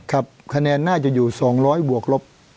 คะแนนน่าจะอยู่๒๐๐บวกลบ